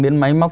đến máy móc